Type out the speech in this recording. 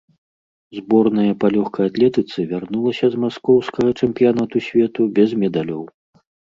Зборная па лёгкай атлетыцы вярнулася з маскоўскага чэмпіянату свету без медалёў.